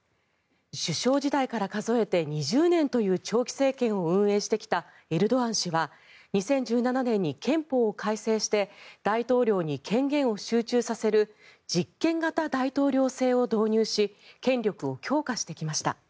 首相時代から数えて２０年という長期政権を運営してきたエルドアン氏は２０１７年に憲法を改正して大統領に権限を集中させる実権型大統領制を導入し権力を強化してきました。